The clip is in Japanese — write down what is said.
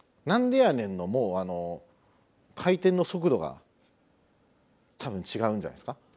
「何でやねん」のもうあの回転の速度が多分違うんじゃないですか？